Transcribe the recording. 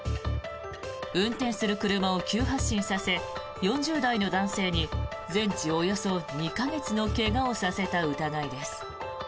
運転する車を急発進させ４０代の男性に全治およそ２か月の怪我をさせた疑いです。